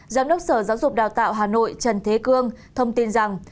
giám đốc sở giáo dục đào tạo hà nội trần thế cương thông tin rằng